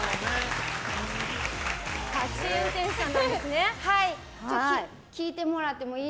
タクシー運転手さんなんですね。